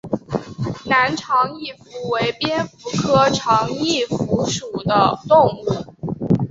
南长翼蝠为蝙蝠科长翼蝠属的动物。